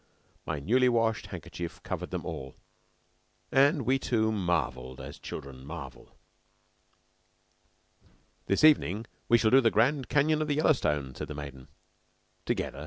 My newly washed handkerchief covered them all, and we two marvelled as children marvel. "This evening we shall do the Grand Canyon of the Yellowstone," said the maiden. "Together?"